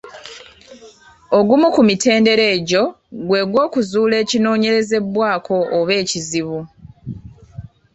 Ogumu ku mitendera egyo gw’egwokuzuula ekinoonyerezebwako oba ekizibu.